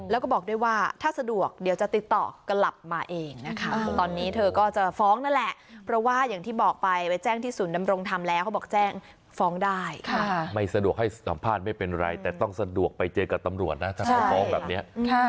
แล้วก็บอกด้วยว่าถ้าสะดวกเดี๋ยวจะติดต่อกลับมาเองนะคะตอนนี้เธอก็จะฟ้องนั่นแหละเพราะว่าอย่างที่บอกไปไปแจ้งที่ศูนย์ดำรงธรรมแล้วเขาบอกแจ้งฟ้องได้ไม่สะดวกให้สัมภาษณ์ไม่เป็นไรแต่ต้องสะดวกไปเจอกับตำรวจนะถ้าเขาฟ้องแบบนี้